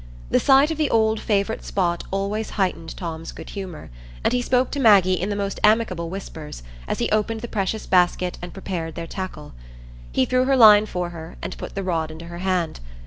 The sight of the old favourite spot always heightened Tom's good humour, and he spoke to Maggie in the most amicable whispers, as he opened the precious basket and prepared their tackle. He threw her line for her, and put the rod into her hand.